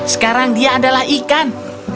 sekarang dia adalah ikan